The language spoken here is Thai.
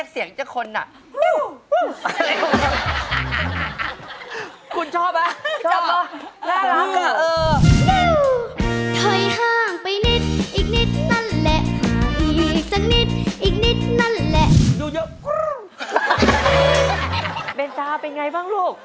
เบนส้าเป็นยังไงบ้างลูก